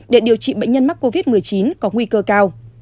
để điều trị bệnh nhân mắc covid một mươi chín có nguy cơ cao